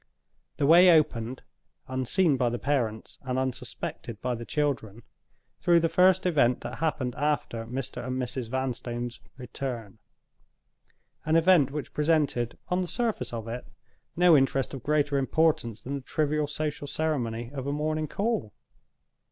The way opened (unseen by the parents, and unsuspected by the children) through the first event that happened after Mr. and Mrs. Vanstone's return—an event which presented, on the surface of it, no interest of greater importance than the trivial social ceremony of a morning call.